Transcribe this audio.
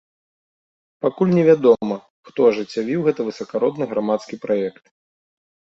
Пакуль не вядома, хто ажыццявіў гэты высакародны грамадскі праект.